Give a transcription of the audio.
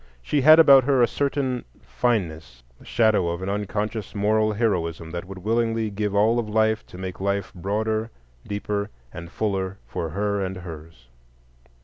She had about her a certain fineness, the shadow of an unconscious moral heroism that would willingly give all of life to make life broader, deeper, and fuller for her and hers.